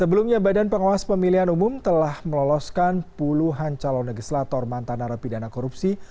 sebelumnya badan pengawas pemilihan umum telah meloloskan puluhan calon legislator mantan narapidana korupsi